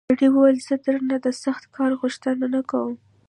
سړي وویل زه درنه د سخت کار غوښتنه نه کوم.